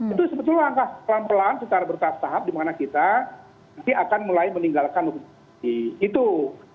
itu sebetulnya angka pelan pelan secara bertahap tahap dimana kita akan mulai meninggalkan manusia